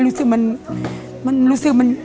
รู้สึกมันรู้สึกมัน